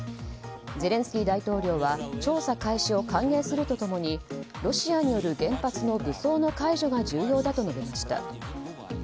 ゼレンスキー大統領は調査開始を歓迎すると共にロシアによる原発の武装の解除が重要だと述べました。